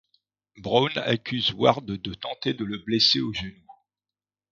Brown accuse Ward de tenter de le blesser aux genoux.